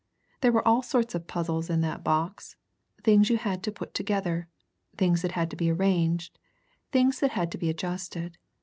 There were all sorts of puzzles in that box things that you had to put together, things that had to be arranged, things that had to be adjusted.